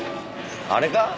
あれか？